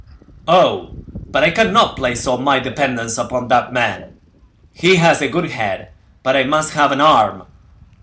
Oh! but I cannot place all my dependence upon that man; he has a good head, but I must have an arm!"